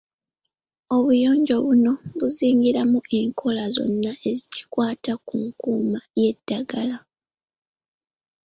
Obuyonjo buno buzingiramu enkola zonna ekikwata ku nkuuma y'eddagala.